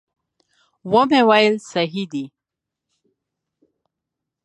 ومې ویل صحیح دي.